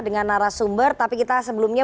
dengan narasumber tapi kita sebelumnya